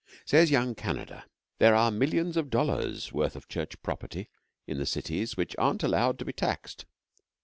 Says young Canada: 'There are millions of dollars' worth of church property in the cities which aren't allowed to be taxed.'